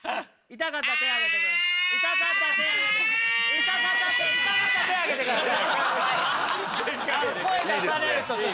痛かったら手上げてください。